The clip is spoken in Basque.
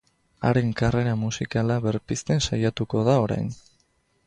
Haren karrera musikala berpizten saiatuko da orain.